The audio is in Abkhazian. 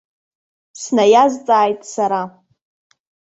Снаиазҵааит сара.